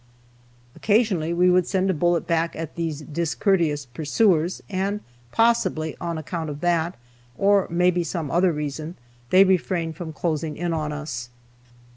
Occasionally we would send a bullet back at these discourteous pursuers, and possibly on account of that, or maybe some other reason, they refrained from closing in on us.